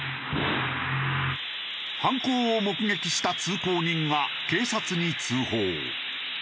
犯行を目撃した通行人が警察に通報。